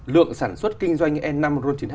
lượng sản xuất kinh doanh e năm ron chín mươi hai